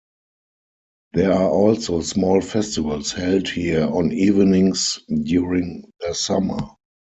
There are also small festivals held here on evenings during the summer.